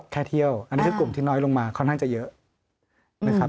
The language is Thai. แค่เที่ยวอันนี้คือกลุ่มที่น้อยลงมาค่อนข้างจะเยอะนะครับ